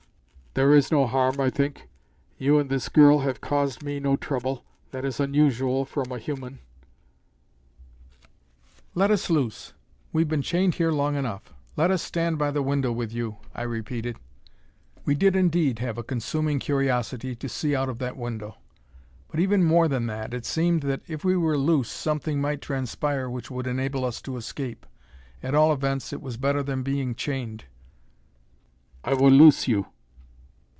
"There is no harm, I think. You and this girl have caused me no trouble. That is unusual from a human." "Let us loose. We've been chained here long enough. Let us stand by the window with you," I repeated. We did indeed have a consuming curiosity to see out of that window. But even more than that, it seemed that if we were loose something might transpire which would enable us to escape. At all events it was better than being chained. "I will loose you."